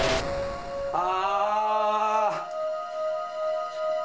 あ。